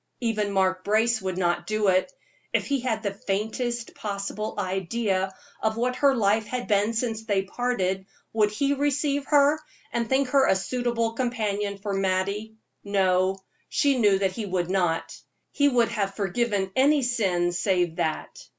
Even Mark Brace would not do it. If he had the faintest possible idea of what her life had been since they parted, would he receive her, and think her a suitable companion for Mattie? No; she knew that he would not; he would have forgiven any sin save that.